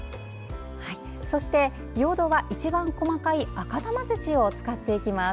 そして用土は一番細かい赤玉土を使っていきます。